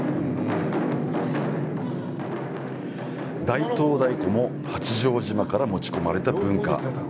「大東太鼓」も八丈島から持ち込まれた文化。